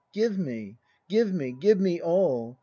Give me, give me! Give me all!